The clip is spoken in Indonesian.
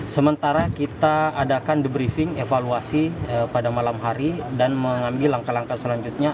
sementara kita adakan debriefing evaluasi pada malam hari dan mengambil langkah langkah selanjutnya